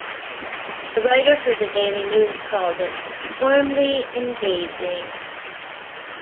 A writer for the "Daily News" called it "warmly engaging".